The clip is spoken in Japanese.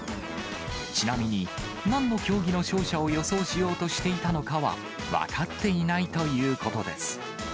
ちなみに、なんの競技の勝者を予想しようとしていたのかは、分かっていないということです。